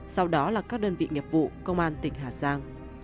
sau đó là các đơn vị nghiệp vụ công an tỉnh hà giang